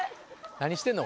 何してんの？